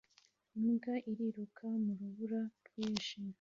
Imbwa iriruka mu rubura rwinshi